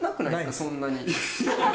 そんなに。